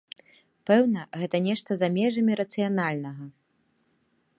Пэўна, гэта нешта за межамі рацыянальнага.